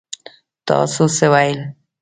تاسو څه ويل؟